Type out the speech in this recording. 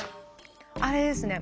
あれですね。